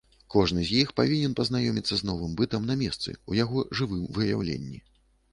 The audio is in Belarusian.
Кожны з іх павінен пазнаёміцца з новым бытам на месцы, у яго жывым выяўленні.